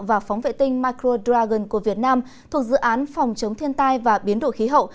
và phóng vệ tinh micro dragon của việt nam thuộc dự án phòng chống thiên tai và biến đổi khí hậu